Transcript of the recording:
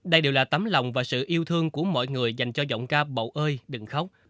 đây đều là tấm lòng và sự yêu thương của mọi người dành cho giọng ca bầu ơi đừng khóc